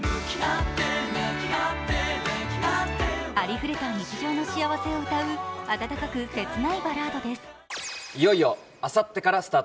ありふれた日常の幸せを歌う温かく切ないバラードです。